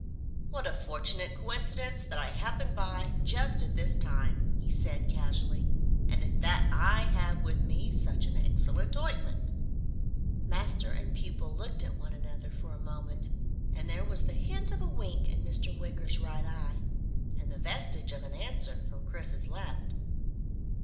"What a fortunate coincidence that I happened by just at this time," he said casually, "and that I have with me such an excellent ointment." Master and pupil looked at one another for a moment, and there was the hint of a wink in Mr. Wicker's right eye, and the vestige of an answer from Chris's left.